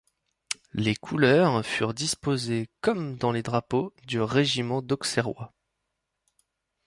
Les couleurs furent disposées comme dans les drapeaux du régiment d'Auxerrois.